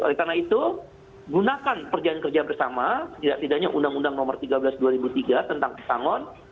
oleh karena itu gunakan perjanjian kerja bersama setidaknya undang undang nomor tiga belas dua ribu tiga tentang pesangon